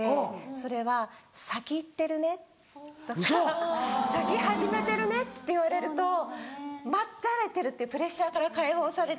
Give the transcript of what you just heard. それは「先行ってるね」とか「先始めてるね」って言われると待たれてるっていうプレッシャーから解放されて。